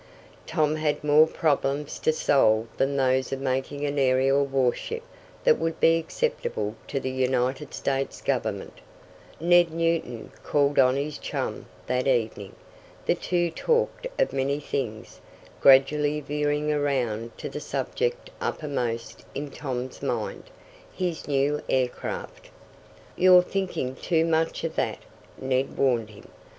Tom had more problems to solve than those of making an aerial warship that would be acceptable to the United States Government. Ned Newton called on his chum that evening. The two talked of many things, gradually veering around to the subject uppermost in Tom's mind his new aircraft. "You're thinking too much of that." Ned warned him.